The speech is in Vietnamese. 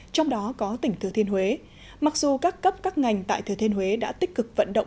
trong đó có tỉnh thừa thiên huế mặc dù các cấp các ngành tại thừa thiên huế đã tích cực vận động